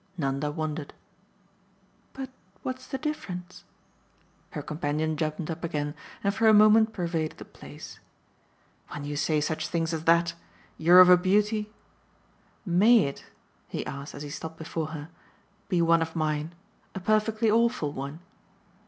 Nanda wondered. "But what's the difference?" Her companion jumped up again and for a moment pervaded the place. "When you say such things as that, you're of a beauty ! MAY it," he asked as he stopped before her, "be one of mine a perfectly awful one?"